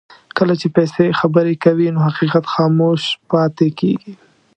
کله چې پیسې خبرې کوي نو حقیقت خاموش پاتې کېږي.